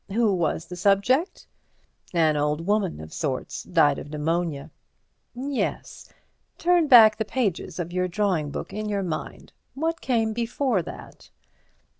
Who was the subject?" "An old woman of sorts; died of pneumonia." "Yes. Turn back the pages of your drawing book in your mind. What came before that?"